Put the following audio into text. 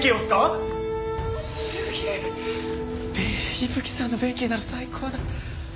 伊吹さんの弁慶なら最高だ。